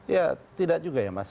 ya tidak juga ya mas